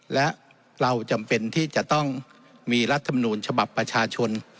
และเราจำเป็นที่จะต้องมีรัฐมนูญฉบับประชาชน